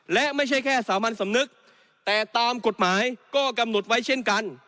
และไม่ใช่แค่สามัญสำนึกแต่ตามกฎหมายก็กำหนดไว้เช่นกัน